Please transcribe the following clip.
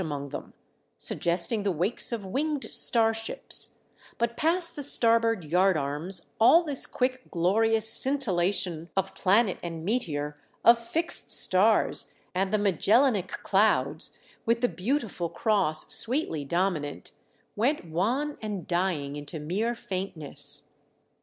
among them, suggesting the wakes of winged star ships, ; but past the starboard yard arms all this quick, glorious scintillation of planet and meteor, of fixed stars and the Magel lanic clouds, with the beautiful Cross sweetly dominant, went wan and dvinsf into mere faintness.